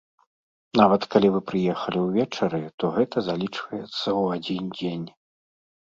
Нават, калі вы прыехалі ўвечары, то гэта залічваецца ў адзін дзень.